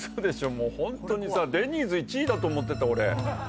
もうホントにさ「デニーズ」１位だと思ってた俺。